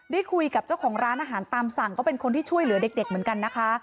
ได้คุยกับเจ้าของร้านอาหารตามสั่งก็เป็นคนที่ช่วยเหลือเด็กเหมือนกันนะคะ